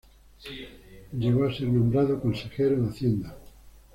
Llegó a ser nombrado consejero de Hacienda.